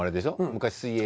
昔水泳。